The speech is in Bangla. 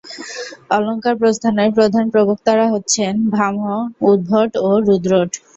অলঙ্কারপ্রস্থানের প্রধান প্রবক্তারা হচ্ছেন ভামহ, উদ্ভট ও রুদ্রট।